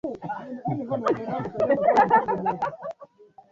akakabiliwa na adhabu ya kifo kwa mujibu wa sheria